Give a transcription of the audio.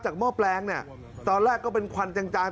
หม้อแปลงเนี่ยตอนแรกก็เป็นควันจาง